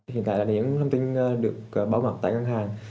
hiện tại là những thông tin được bảo mật tại ngân hàng